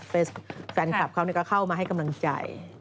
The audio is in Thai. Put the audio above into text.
แฟนคลับเขาก็เข้ามาให้กำลังใจ